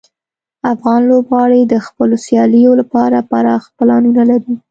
افغان لوبغاړي د خپلو سیالیو لپاره پراخ پلانونه لري.